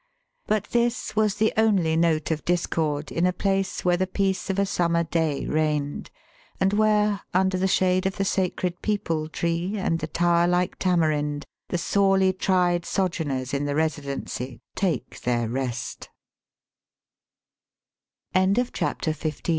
But this was the only note of discord in a place where the peace of a summer day reigned, and where under the shade of the sacred peepul tree and the tower like tamarind, the sorely tried sojourners in the Residency